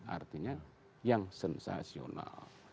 artinya yang sensasional